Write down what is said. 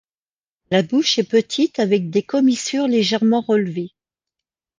La bouche est petite, avec des commissures légèrement relevées.